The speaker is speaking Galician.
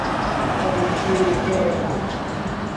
Editaba o voceiro "Terra e Tempo".